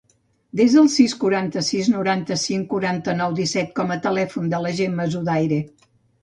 Desa el sis, quaranta-sis, noranta-cinc, quaranta-nou, disset com a telèfon de la Gemma Zudaire.